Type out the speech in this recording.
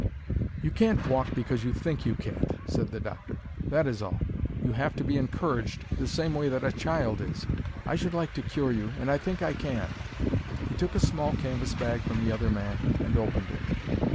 "You can't walk because you think you can't," said the doctor; "that is all. You'll have to be encouraged the same way that a child is. I should like to cure you, and I think I can." He took a small canvas bag from the other man and opened it.